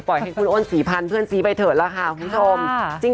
ให้คุณอ้น๔๐๐เพื่อนซีไปเถอะล่ะค่ะคุณผู้ชม